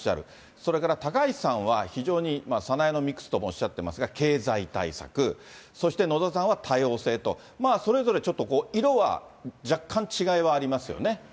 それから高市さんは、非常にサナエノミクスともおっしゃっていますが、経済対策、そして野田さんは多様性と、それぞれちょっと色は若干違いはありますよね。